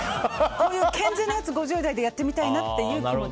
こういう健全なやつを５０代でやってみたいなって。